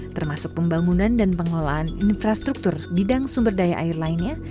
termasuk pembangunan dan pengelolaan infrastruktur bidang sumber daya air lainnya